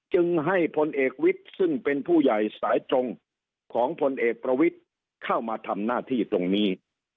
จึงให้พลเอกวิทย์ซึ่งเป็นผู้ใหญ่สายตรงของพลเอกประวิทย์เข้ามาทำหน้าที่ตรงนี้